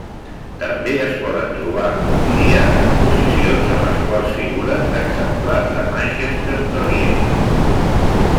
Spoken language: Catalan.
També es poden trobar avui dia exposicions en les quals figuren exemplars de Manchester terrier.